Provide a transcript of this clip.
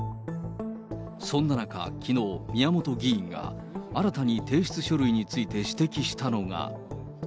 そんな中、きのう、宮本議員が新たに提出書類について指摘したのが。